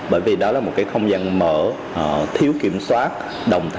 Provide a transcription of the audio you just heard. bởi vì đó là một cái không gian mở thiếu kiểm soát